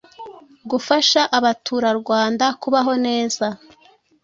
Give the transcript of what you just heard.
gufasha abaturarwanda kubaho neza